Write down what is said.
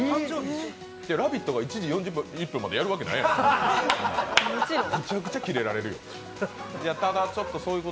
「ラヴィット！」が１時４１分までやるわけないやろう。